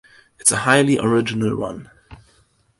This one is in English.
It's a highly original one.